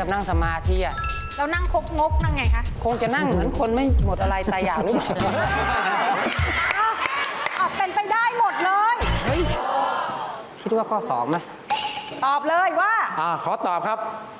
ภาษาอีสานพูดว่าอะไรนะคะ